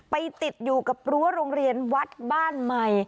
ติดอยู่กับรั้วโรงเรียนวัดบ้านใหม่